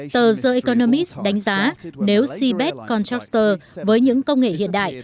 tờ the economist đánh giá nếu seabed constructor với những công nghệ hiện đại